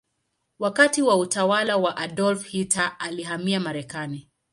Wakati wa utawala wa Adolf Hitler alihamia Marekani.